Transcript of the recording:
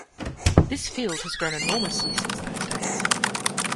This field has grown enormously since those days.